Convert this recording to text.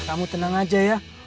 kamu tenang aja ya